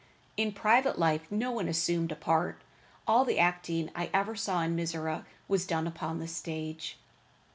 In private life no one assumed a part. All the acting I ever saw in Mizora was done upon the stage.